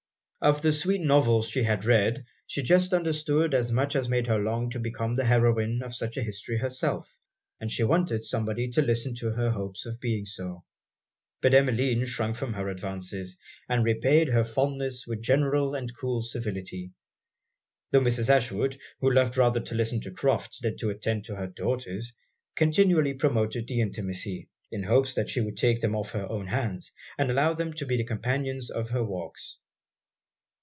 Of 'the sweet novels' she had read, she just understood as much as made her long to become the heroine of such an history herself, and she wanted somebody to listen to her hopes of being so. But Emmeline shrunk from her advances, and repaid her fondness with general and cool civility; tho' Mrs. Ashwood, who loved rather to listen to Crofts than to attend to her daughters, continually promoted the intimacy, in hopes that she would take them off her own hands, and allow them to be the companions of her walks.